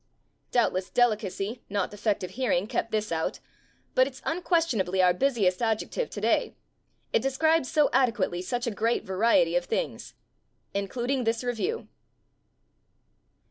Doubtless delicacy, not defective hearing, kept this out. But it's unquestionably our busiest adjective today; it describes so ade quately such a great variety of things. Including this review.